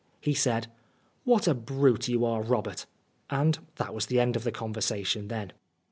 He said, "What a brute you are, Robert," and that was the end of the con versation then.